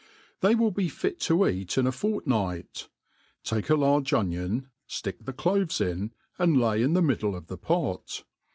They will be fit to eat in a fortnight. Take a large onion, Aick the cloves in, and lay ia the n>iddle of the pot.